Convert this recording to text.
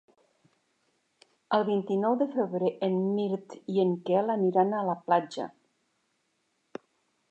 El vint-i-nou de febrer en Mirt i en Quel aniran a la platja.